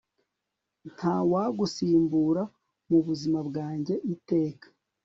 ntawagusimbura mubuzima bwange iteka